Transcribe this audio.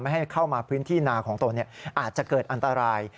ให้เข้ามาพื้นที่นาของตนอาจจะเกิดอันตราย